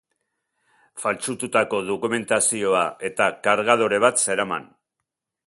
Faltsututako dokumentazioa eta kargadore bat zeraman.